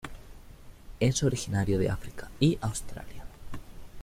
Es originario de África y Australia.